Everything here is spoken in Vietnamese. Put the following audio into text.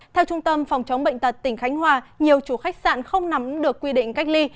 theo trung tâm phòng chống bệnh tật tỉnh khánh hòa nhiều chủ khách sạn không nắm được quy định cách ly